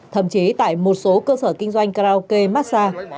thậm chí tại một số cơ sở kinh doanh karaoke massage